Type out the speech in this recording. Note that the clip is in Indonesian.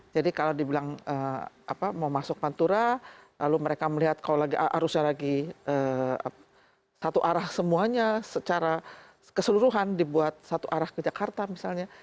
jadi kalau dibilang mau masuk pantura lalu mereka melihat kalau lagi harusnya lagi satu arah semuanya secara keseluruhan dibuat satu arah ke jakarta misalnya